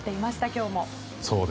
今日も。